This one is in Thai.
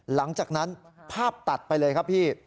หลังจากนั้นภาพตัดไปเลยครับพี่